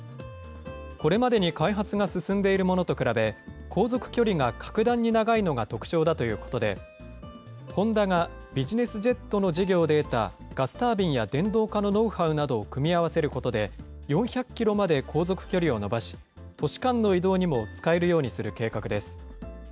これまでに開発が進んでいるものと比べ、航続距離が格段に長いのが特徴だということで、ホンダがビジネスジェットの事業で得たガスタービンや電動化のノウハウなどを組み合わせることで、４００キロまで航続距離を伸ばし、都市間の移動にも使えるようにする計画です。